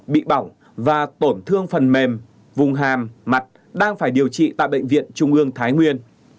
bị bỏng và tổn thương phần mềm vùng hàm mặt đang phải điều trị tại bệnh viện trung ương thái nguyên